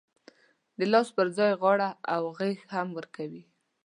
د لاس پر ځای غاړه او غېږ هم ورکوي.